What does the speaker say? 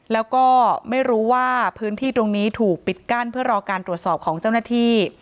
แล้วก็ไม่รู้ว่าพื้นที่ตรงนี้ถูกปิดกั้นเพื่อรอการตรวจสอบของเจ้าหน้าที่